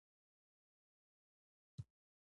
زراعت د افغانستان د جغرافیې یوه بېلګه ده.